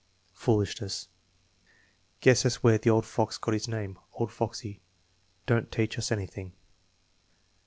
"Fool ishness." "Guess that's where the old fox got his name 'Old Foxy' Don't teach us anything."